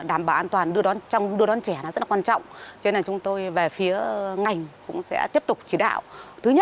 an toàn cho trẻ cho học sinh